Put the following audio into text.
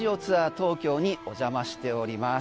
東京にお邪魔しております。